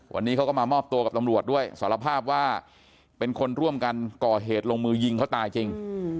วันนี้เขาก็มามอบตัวกับตำรวจด้วยสารภาพว่าเป็นคนร่วมกันก่อเหตุลงมือยิงเขาตายจริง